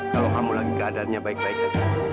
kalau kamu lagi keadaannya baik baik saja